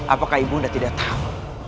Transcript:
apakah ibu sudah tidak tahu